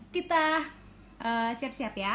kita siap siap ya